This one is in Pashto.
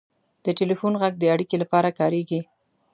• د ټلیفون ږغ د اړیکې لپاره کارېږي.